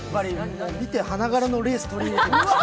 見て、花柄のレースを取り入れてみました。